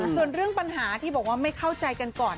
ส่วนเรื่องปัญหาที่บอกว่าไม่เข้าใจกันก่อน